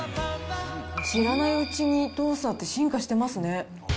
知らないうちにトースターって進化してますね。